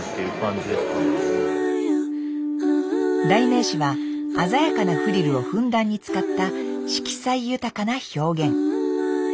代名詞は鮮やかなフリルをふんだんに使った色彩豊かな表現。